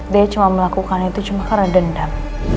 dia cuma melakukan itu cuma karena dendam